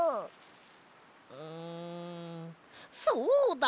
んそうだ！